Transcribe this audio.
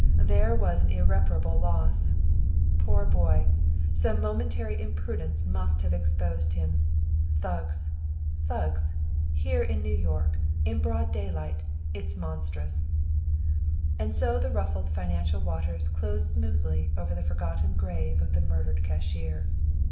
there was an irreparable loss! Poor boy! Some momentary imprudence must have exposed him. Thugs! Thugs! Here in New York, in broad day light! It is monstrous!" And so the ruffled financial waters closed smoothly over the forgotten grave of the murdered cashier.